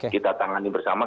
kita tangani bersama